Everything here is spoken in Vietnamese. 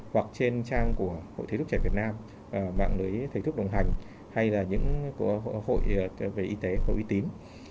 hoặc trên trang của hội thế thức trẻ việt nam mạng lưới thế thức đồng hành hay là những hội về y tế hội uy tín